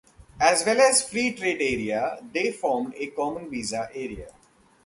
As well as the free trade area, they formed a common visa area.